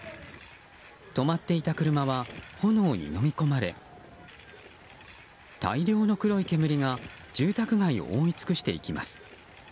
止まっていた車は炎にのみ込まれ大量の黒い煙が住宅街を覆い尽くしていきます。